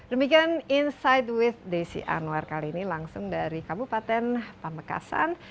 demikian insight with desi anwar kali ini langsung dari kabupaten pamekasan